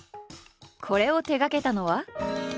これを手がけたのは。